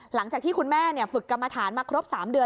หลังจากที่คุณแม่ฝึกกรรมฐานมาครบ๓เดือน